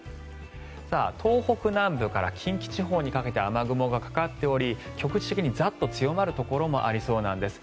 東北南部から近畿地方にかけて雨雲がかかっており局地的にザッと強まるところもありそうなんです。